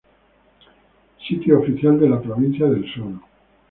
Sitio oficial de la Provincia del Sur.